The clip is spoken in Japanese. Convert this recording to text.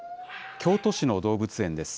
京都市の動物園です。